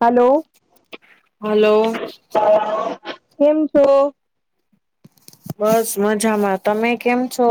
Hello hello કેમ છો. બસ મજામાં તમે કેમ છો.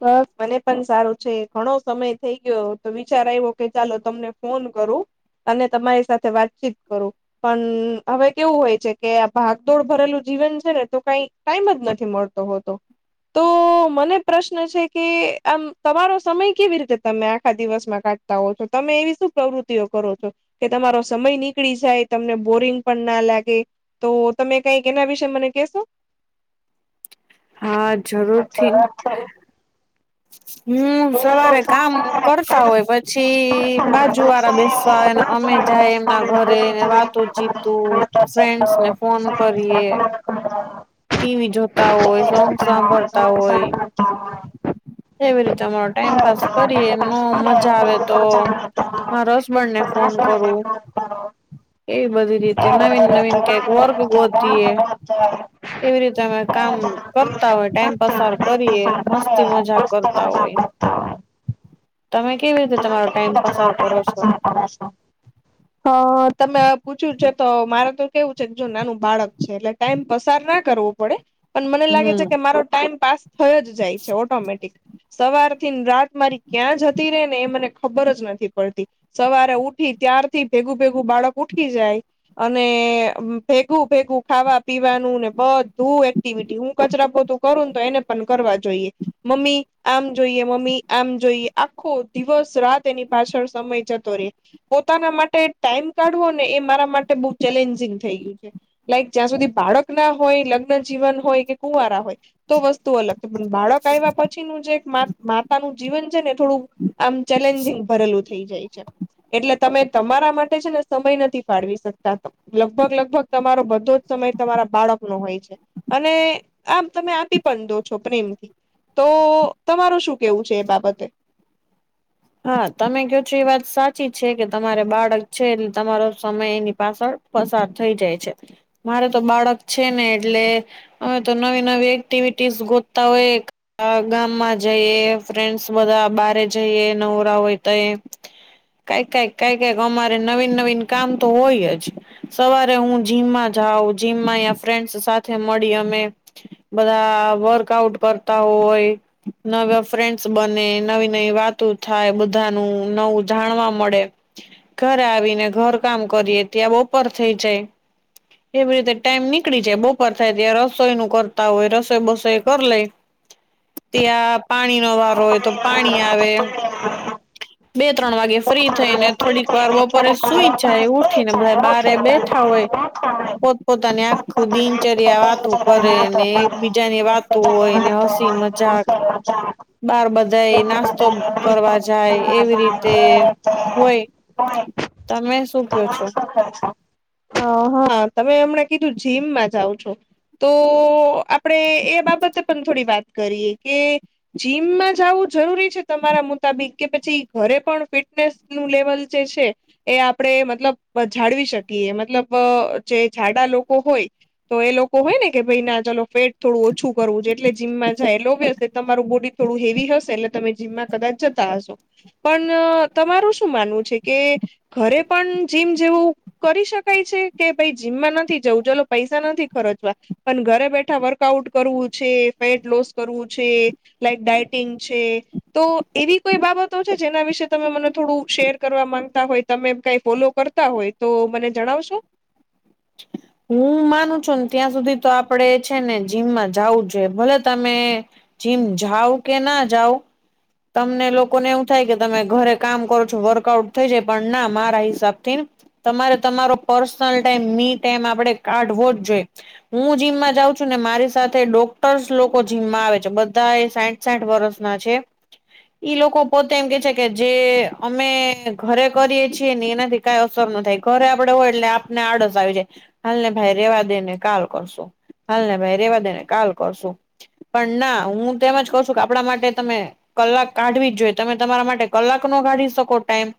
તો બ મને પણ સારું છે ઘણો સમય થઈ ગયો તો વિચાર આવ્યો કે ચાલો તમને ફોન કરું અને તમારી સાથે વાતચીત કરું પણ હવે કેવું હોય છે, કે આ ભાગદોડ ભરેલું જીવન છે ને તો કઈ ટાઈમ જ નથી મળતો હોતો તો મને પ્રશ્ન છે કે આમ તમારો સમય કેવી રીતે તમે આખા દિવસમાં કાઢતા હો છો, તમે એવી શું પ્રવૃત્તિઓ કરો છો કે તમારો સમય નીકળી જાય તમને બોરિંગ પણ ના લાગે. તો તમે કઈક એના વિશે મને કશો હા જરૂર હ હમ સવારે કામ કરતા હોય પછી બાજુ વા બેસવા આવેને અમે જાય એમના ઘરે વાતું ચીતું ફ્રેન્ડ ને ફોન કરીિે હમ ટીવી જોતા હોય સોંગ સાંભળ સ એવી રીતે અરો ટાઈમ પાાસ કરીએ એમનો મજા આવે તો મારા હસબન્ડને ફોન કરું એવી બધી. નવીન નવીન કઈક વર્ગ ગોતી, એ એવી રીતે અમે કામ કરતા હોય, ટાઈમ પસાર કરીએ મસ્ત મજા કરતા હોય. તમે કેવી રીતે તમારો ટાઈમ પસાર કરો છો. હશ હ તમે પૂછ્યું છે તો મારે તો કેવું છે જો નાનું બાળક છે, એટલે ટાઈમ પસાર ના કરવો પડે પણ મને લાગે છે હમ કે મારો ટાઈમ પાસ થયો જ જાય છે, ઓટોમેટિક સવાર થીને રાત મારી ક્યાં જતી ર ને એ મને ખબર જ નથી પડતી સવારે ઉઠી ત્યારથી ભેગું ભેગું બાળક ઉઠી જાય અને ભેગું ભેગું ખાવા પીવાનું ને બધું એક્ટિવિટી હું કચરા પોતું કરુંને તો એને પણ કરવા જોઈએ. મમ્મી આમ જોઈએ મમ્મી આમ જોઈએ આખો દિવસ રાત એની પાછળ સમય જતો રહેે પોતાના માટે ટાઈમ કાઢવો ને એ મારા માટે બહુ ચેલેન્જિંગ થઈ ગયું છે. લાઈક જ્યાં સુધી બાળક ના હોય લગ્ન જીવન હોય કે કુંવારા હોય. તો વસ્તુ અલગ છે, બાળક આવ્યા પછીનું જે એક માતા નું જીવન છેને થોડુ આમ ચેલેન્જિંગ ભરેલું થઈ જાય છે એટલે તમે તમારા માટે છેને, સમય નથી ફાળવી શકતા લગભગ લગભગ તમારો બધો જ સમય તમારા બાળક નો હોય છે, અને આમ તમે આપી પણ દો છો પ્રેમથી તો તમારું શું કેવું છે, એ બાબતે હા તમે કહો છો એ વાત સાચી છે, કે તમારે બાળક છે એટલે તમારો સમય એની પાછળ પસાર થઈ જાય છે, મારે તો બાળક છે ને એટલે અમે તો નવી નવી એક્ટિવિટીસ ગોતા હોય. અહ ગામમાં જઈએ, ફ્રેન્ડ્સ બધા બારે જઈએ નવરા હોય તયે. કાંઈક-કાંઈક, કાંઈક-કાંઈક અમારે નવીન-નવીન કામ તો હોય જ. સવારે હું જીમમાં જાઉં, જીમમાં અહિયાં ફ્રેન્ડસ સાથે મળી અમે. બધા વર્કઆઉટ કરતા હોય નવા ફ્રેન્ડ્સ બને, નવી-નવી વાત તું થાય, બધાનું નવું જાણવા મળે. ઘરે આવીને ઘર કામ કરીએ, ત્યાં બપોર થઇ જાય. એવી રીતે ટાઈમ નીકળી જાય, બપોર થાય ત્યાં રસોઈ નું કરતા હોય, રસોઈ બસોઈ કર લેઈ. [inaudible] ત્યાં પાણી નો વારો હોય તો પાણી આવે. બે-ત્રણ વાગે ફ્રી થઈ ને થોડીક વાર બપોરે સુઈ જાય, ઊઠ ઉઠી ને બધા બારે બેઠા હોય. [inaudible] પોતપોતાની આખું દિનચર્યા વાતું કરેને, એકબીજાની વાતો હોય ને, હસ તી મજાક. [inaudible] બાર બધાય નાસ્તો કરવા જાય, એવી રીતે હોય. તમે શું ક્યો છો? [inaudible] હા, હા. તમે હમણે કીધું જીમમાં જાવ છો તો આપડે એ બાબતે પન થોડી વાત કરીએ કે જીમમાં જાવું જરૂરી છે તમારા મુતાબિક, કે પછી ઘરે પણ ફિટનેસ નું લેવલ જે છે એ આપડે મતલબ જાળવી શકીએ, મતલબ અહ જે જાડા લોકો હોય તો એ લોકો હોય ને કે ભઈ ના ચલો ફેટ થોડું ઓછું કરવું છે, એટલે જીમમાં જાય. [unintelligible] તમારું બોડી થોડું હેવી હશે, એટલે તમે જીમમાં કદાચ જતા હશો. પન તમારું શું માનવું છે કે ઘરે પણ જીમ જેવું કરી શકાય છે કે ભઈ જીમમાં નથી જવું, ચલો પૈસા નથી ખરચવા પન ઘરે બેઠા વર્કઆઉટ કરવું છે, ફેટ લોસ કરવું છે. લાઈક ડાયટિંગ છે તો એવી કોઈ બાબતો છે જેના વિશે તમે મને થોડું શેર કરવા માંગતા હોય? તમેમ એમ કાંઈ ફોલો કરતા હોય તો મને જણાવશો? [inaudible] હું માનું છું ને ત્યાં સુધી તો આપડે છે ને જીમમાં જાવું જોઈએ. ભલે તમે જીમ જાવ કે ના જાઓ તમને લોકોને એવું થાય કે તમે ઘરે કામ કરો છો, વર્કઆઉટ થઈ જાય પણ ના મારા હિસાબ થીન. તમારે તમારો પર્સનલ ટાઈમ મી ટાઈમ આપડે કાઢવો જ જોઈએ. હું જીમમાં જાઉં છું, ને મારી સાથે ડોક્ટર્સ લોકો જીમમાં આવે છે. બધા સાઈઠ સાઈઠ વરસના છે. [inaudible] ઈ લોકો પોતે એમ કે છે કે જે અમે ઘરે કરીએ છીએ ને એનાથી કાંઈ અસર ન થાય. ઘરે આપડે હોય એટલે આપને આળસ આવી જાય. હાલ ને ભાઈ રહેવા દે ને કાલ કરશું, હાલ ને ભાઈ રહેવા દે ને કાલ કરશું. પણ ના, હું તો એમ જ કઉ છું કે આપડા માટે તમે કલાક કાઢવી જ જોઈએ. તમે તમારા માટે કલાક નો કાઢી શકો ટાઈમ?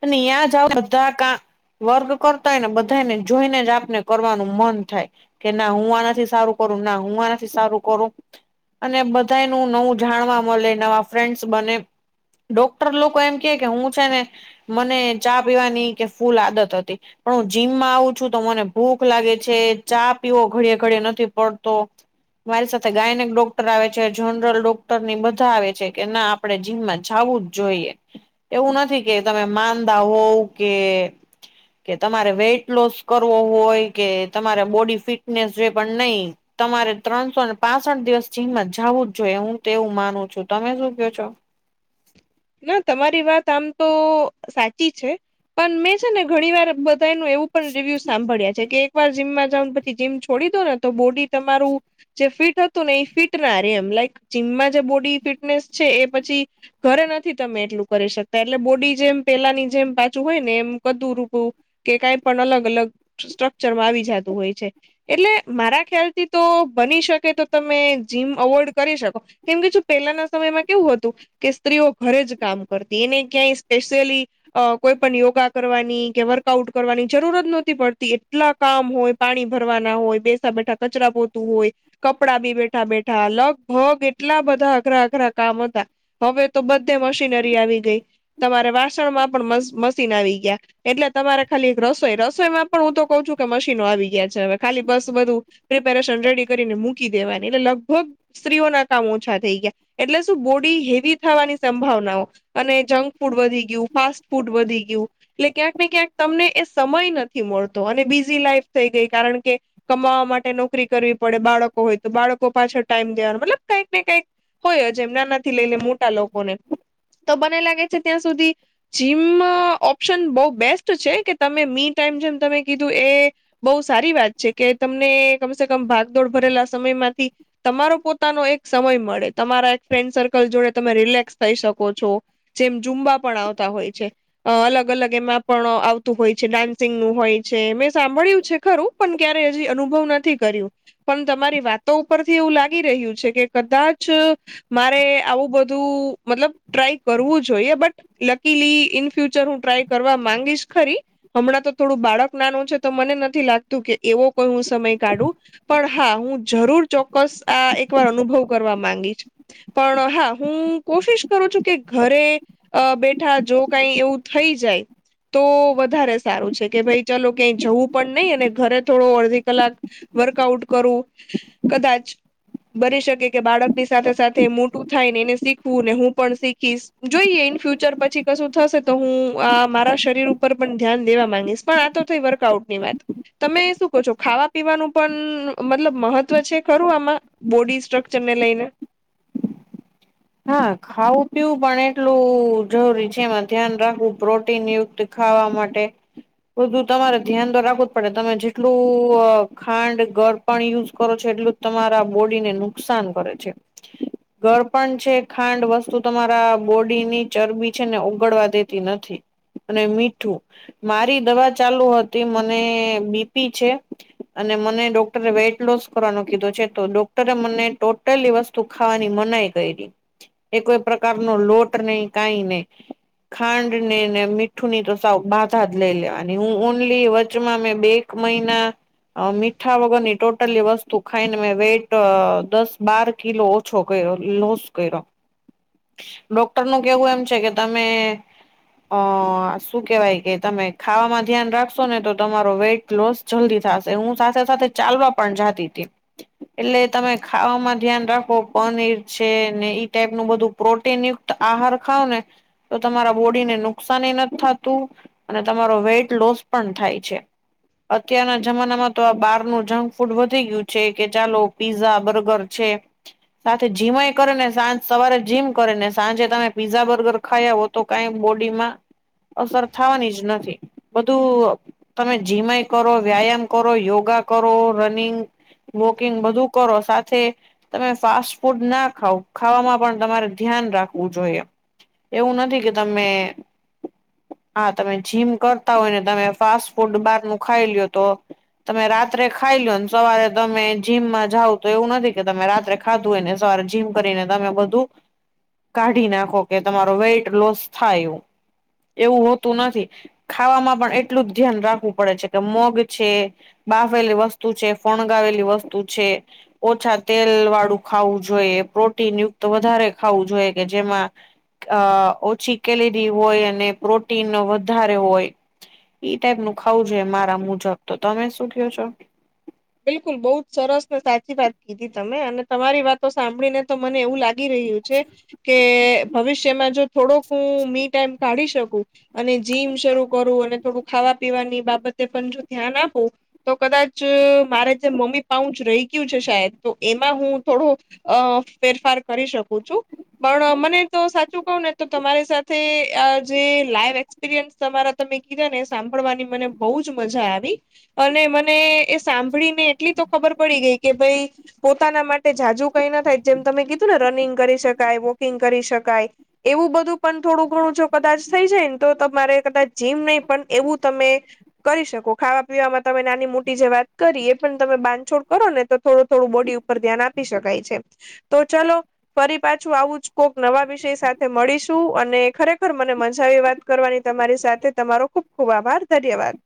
પન ન્યા જાઓ બધા કા વર્ગ કરતા હોય ને બધાને જોઈને જ આપને કરવાનું મન થાય. કે ના હું આના થી સારું કરું, ના હું આનાથી સારું કરું. અને બધાય નું નવું જાણવા મલે, નવા ફ્રેન્ડસ બને, ડોક્ટર લોકો એમ ક્યે કે હું છે ને મને ચા પીવાની ઈ કહે ફૂલ આદત હતી. પણ હું જીમમાં આવું છું તો મને ભૂખ લાગે છે, ચા પીવો ઘડિયે ઘડયે નથી પડતો. મારી સાથે ગાયનક ડોક્ટર આવે છે, જનરલ ડોક ટર ની બધા આવે છે કે ના આપણે જીમમાં જાવું જ જોઈએ. એવું નથી કે તમે માંદા હોવ કે કે તમારે વેઇટ લોસ કરવો હોય, કે તમારે બોડી ફિટનેસ જે પણ નહી તમારે ત્રણસોને પાસઠ દિવસ જીમમાં જવું જ જોઈએ હું તોવું માનું છું. તમે શું ક્યો છો? ના તમારી વાત આમ તો સાચી છે, પણ મેં છે ને ઘણી વાર બ ધાએનું એવું પણ રિવ્યુ સાંભળ્યા છે કે એકવાર જીમમાં જાવ ને પછી જીમ છોડી દો ને તો બોડી તમારું જે ફીટ હતું ને એ ફીટ ના રે એમ લાઈક જીમમાં જે બોડી ફિટનેસ છે એ પછી ઘરે ન થી તમે એટલું કરી શકતા, એટલે બોડી જેમ પેલાની જેમ પાછું હોય ને એમ કદું રૂપું કે કાઈ પણ અલગ અલગ સ્ટ્રકચર માં આવી જાતું હોય છે. એટલે મારા ખ્યાલથી તો બની શકે તો તમે જીમ અવોઈડ કરી શકો કેમ કે જો પેહલાના સમયમાં કેવું હતું કે સ્ત્રીઓ ઘરે જ કામ કરતી એને ક્યાંય સ્પેશિયલી અ કોઈ પણ યોગા કરવાની કે વર્કઆઉટ કરવાની જરૂરત નહતી પડતી એટલા કામ હોય પાણી ભરવાના હોય, બેસા બેઠા કચરા પોતું હોય. કપડા બી બેઠા બેઠા, લગભગ એટલા બધા અઘરા અઘરા કામ હતા, હવે તો બધે મશીનરી આવી ગઈ, તમારે વાસણમાં પણ મસ મશીન આવી ગ્યા. એટલે તમારે ખાલી એક રસોઈ, રસોઈમાં પણ હું તો કઉ છું કે મશીનો આવી ગ્યા છે હવે, ખાલી બસ બધું પ્રિપેરેશન રેડી કરીને મૂકી દેવાની. એટલે લગભગ સ્ત્રીઓ ના કામ ઓછા થઈ ગ્યા, એટલે શું બોડી હેવી થાવાની સંભાવનાઓ અને જંક ફૂડ વધી ગ્યું, ફાસ્ટ ફૂડ વધી ગ્યું. એટલે ક્યાંક ને ક્યાંક તમને એ સમય નથી મળતો અને બીઝી લાઈફ થઈ ગઈ કારણ કે કમાવા માટે નોકરી કરવી પડે, બાળકો હોય તો બાળકો પાછડ ટાઈમ દેવાનો, મતલબ કઈક ને કઈક હોય અજ એમ નાનાથી લઈને મોટા લોકોને. તો બને લાગે છે ત્યાં સુધી જીમ ઓપ્શન બહુ બેસ્ટ છે કે તમે મી ટાઈમ જેમ તમે કીધું એ બહુ સારી વાત છે કે તમને કમસે કમ ભાગદોડ ભરેલા સમયમાંથી તમારો પોતાનો એક સમય મળે, તમારા એક ફ્રેન્ડ સર્કલ જોડે તમે રિલેક્સ થઈ શકો છો. જેમ જુમ્બા પણ આવતા હોય છે. અ અલગ અલગ એમાં પણ આવતું હોય છે ડાન્સિંગ નું હોય છે, મેં સાંભળ્યું છે ખરું પણ ક્યારેય હજી અનુભવ નથી કર્યું. પણ તમારી વાતો ઉપરથી એવું લાગી રહ્યું છે કે કદાચ, મારે આવું બ ધું મતલબ ટ્રાય કરવું જોઈએ બટ લકીલી ઇન ફ્યુચર હું ટ્રાય કરવા માંગીશ ખરી. હમણાં તો થોડું બાળક નાનું છે, તો મને નથી લાગતું કે એવો કોઈ હું સમય કાઢું. પણ હા હું જરૂર ચોક્કસ આ એકવાર અનુભવ કરવા માંગીશ. પણ હા હું કોશિશ કરું છું કે ઘરે અ બેઠા જો કાઈ એવું થઈ જાય તો વધારે સારું છે, કે ભાઈ ચાલૉ ક્યાંય જવું પણ નહી અને ઘરે થોડો અડધી કલાક વર્કઆઉટ કરું, કદાચ. બની શકે કે બાળક ની સાથે સાથે મોટું થાય ની એને શીખવું ને હું પણ શીખીશ, જોઈએ ઈન ફ્યુચર પછી કશું થશે તો હું અ મારા શરીર ઉ ઉપર‌ પણ ધ્યાન દેવા માંગીશ પણ આ તો થઈ વર્કઆઉટ ની વાત. તમે શું કહો છો ખાવા પીવાનું પણ મતલબ મહત્વ છે ખરું આમાં? બોડી સ્ટ્રક્ચર ને લઈને, હા ખાવું પીવું પણ એટલું જરૂરી છે એમાં ધ્યાન રાખવું પ્રોટીન યુક્ત ખાવા માટે બધું તમારે ધ્યાન તો રાખવું જ પડે તમે જેટલું અ ખાંડ ગર પણ યુઝ કરો છો એટલું તમારા બોડીને નુકસાન કરે છે, ઘર પણ છે ખાંડ વસ્તુ તમારા બોડી ની ચરબી છે ને ઓગળવા દેતી નથી અને મીઠું મારી દવા ચાલુ હતી મને બીપી છે. અને મને ડોક્ટરે વેઇટ લોસ કરવાનો કીધો છે તો ડોક્ટરે મને ટોટલી વસ્તુ તું ખાવાની મનાઈ કરી એ કોઈ પ્રકાર નો લોટ નહી કાઈ નને ખાંડ ને ને મીઠું ની તો સાવ બાધા જ લઈ લેવાની હું ઓનલી વચમાં મેં બે એક મહિના અ મીઠા વગરની ટોટલી વસ્તુ ખાઈને વેટ દસ બાર કે લો છોકે લો સુકે રહ. ડોક્ટર નું કેવું એમ છે, કે તમે અ શું કેવાય કે તમે ખાવામાં ધ્યાન રાખશો ને તો તમારો વેઇટ લોસ જલ્દી થશે હું સાથે સાથે ચાલવા પણ જાતી હતી. એટલે તમે ખાવામાં ધ્યાન રાખો પનીર છે. ઈ ટાઈપ નું બધું પ્રોટીન યુક્ત આહાર ખાાવ ને તો તમારા બોડી ને નુકસાન નથી થતુ. અને તમારો વેઇટ લોસ પણ થાય છે. અત્યારના જમાનામાં તો આ બાર નું જંક ફૂડ વધી ગયું છે, કે ચાલો પીઝા બર્ગર છે, સાથે જીવાય. કરેને સાંજ સવારે જીમ કરે ને સાંજે તમે પીઝા બર્ગર ખાયા હો, તો કઈ બોડી મા અસર થવાની જ નથી બધુ તમે જીમય કરો વ્યાયામ કરો યોગા કરો રનિંગ વોકિંગ બધું કરો સાથે તમે ફાસ્ટ ફૂડ ના ખ ખાવામાં પણ તમારે ધ્યાન રાખવું જોઈએ. એવું નથી કે તમે હા તમે જીમ કરતા હોય ને તમે ફાસ્ટ ફૂડ બહાર ન ખાઈ લો્યો તો તમે રાત્રે ખાઈ લોને સવારે તમે જીમમાં જાવ તો એવું નથી કે તમે રાત્રે ખાધું હોયને, સવારે જીમ કરીને તમે બધું કાઢી નાખો કે તમારો વેઇટ લોસ થાય એ એવું હોતું નથી ખાવામાં પણ એટલું જ ધ્યાન રાખવું પડે છે કે મોગ છે. બાફવેલી વસ્તુ છે ફણગાવેલી વસ્તુ છે. ઓછા તેલ વાળું ખાવું જોઈએ. પ્રોટીન યુક્ત વધારે ખાવું જોઈએ કે જેમાં અ ઓછી કેલેરી હોય અને પ્રોટીન વધારે હોય. ઈ ટાઈપ નું ખાવું જોઈએ મારા મુજબ તો તમે શું કો છો. બિલકુલ બઉુ જ સરસ ને સાચી વાત કીધી તમે અને તમારી વાતો સાંભળી ને તો મને એવું લાગ રહ્યું છે કે ભવિષ્યમાં જો થોડોક હું મી ટાઈમ કાઢી શકું અને જીમ શરૂ કરું અને થોડું ખાવા પીવાની બાબતે પણ જો ધ્યાન આપુ તો કદાચ મારે જે મમ્મી પાઉ જ રહી ગયું છે, શદ તો એમાં હું થોડો અ ફેરફાર કરી શકું છુ. પણ મને તો સાચું કવ ને તો તમારી સાથે જે લાઈવ એ તમારા તમે કીધા ને સાંભળવાની મને બહુ જ મજા આવી અને મને સાંભળી ને એટલી તો ખબર પડી ગઈ કે ભાઈ પોતાના માટે જાજુ કઈ ના થાય જેમ તમે કીધું ને રનિંગ કરી શકાય વોકિંગ કરી શકાય એવું બધું પણ થોડું ઘણું જો કદાચ થઈ જાય ને તો તમારે કદાચ જીમ નહીિ પણ એવું તમે કરી શકો ખાવા પીવામાં તમે નાની મોટી જે વાત કરી એ પણ તમે બાંધછોડ કરો ને તો થોડું થોડું બોડી ઉપર ધ્યાન આપી શકાય છે. તો ચાલો ફરી પાછું આવું જ કોક નવા વિષય સાથે મળીશું અને ખરેખર મને મજા એ વાત કરવાની તમારી સાથે તમારો ખુબ ખુબ આભાર ધન્યવાદ